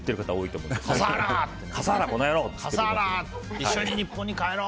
一緒に日本に帰ろう！